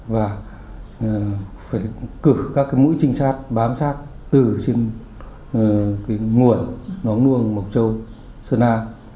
và phải cử các mũi trinh sát bám sát từ nguồn ngóng nuông mộc châu sơn a